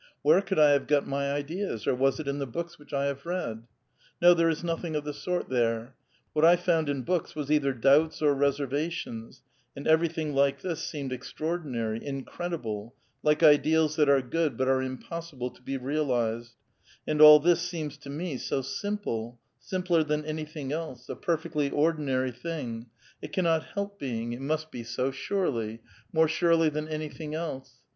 Where could I have got my ideas, or Avas it in the books which I have read? No; there is nothing of the sort there. What I found in books was either doubts or reservations, and everything like this seemed extraordinary, incredible, like ideals that are good but are impossible to be realized ; and all tliis seems to nie so simple, simpler than anything else, a perfectly ordinary thing, it cannot help being, it must be > Dii sviddnpa, literally, till we meet again. A VITAL QUESTION. 73 so, surely, more surely than anything else.